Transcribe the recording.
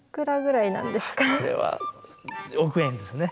これは億円ですね。